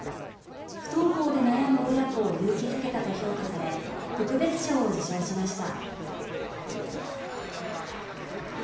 不登校で悩む親子を勇気づけたと評価され、特別賞を受賞しました。